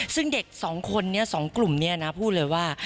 ซึ่งเด็กสองคนเนี่ยสองกลุ่มเนี่ยนะพูดเลยว่า